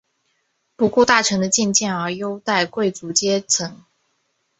不顾大臣的进谏而优待贵族阶层。